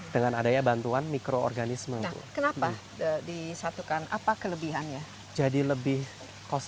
dengan adanya bantuan mikroorganisme kenapa disatukan apa kelebihannya jadi lebih cost